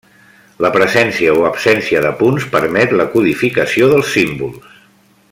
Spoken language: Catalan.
La presència o absència de punts permet la codificació dels símbols.